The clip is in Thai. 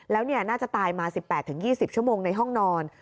แล้วน่าจะตายมา๑๘๒๐ชั่วโมงในห้องนอน